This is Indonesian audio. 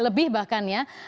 lebih bahkan ya